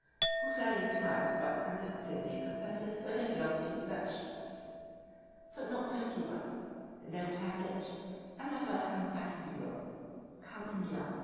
8,) who fairly describes what Cantacuzene confesses with a guilty blush!] 51 (return) [ In this passage, and the first conquests in Europe, Cantemir (p.